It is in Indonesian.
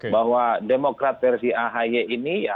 bahwa demokrat versi ahi ini